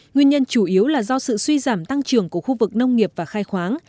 nguyên nhân chủ yếu là do sự suy giảm tăng trưởng của khu vực nông nghiệp và khai khoáng